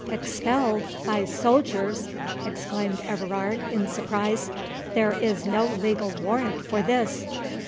"Expelled—by soldiers!" exclaimed Everard, in surprise—"there is no legal warrant for this."